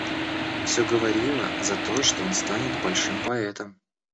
Всё говорило за то, что он станет большим поэтом.